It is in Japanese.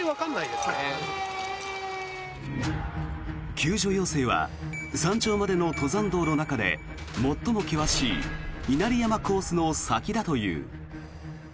救助要請は山頂までの登山道の中で最も険しい稲荷山コースの先だという。